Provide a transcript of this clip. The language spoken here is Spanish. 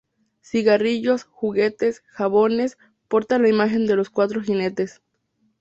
Cigarrillos, juguetes, jabones, portan la imagen de los cuatro jinetes.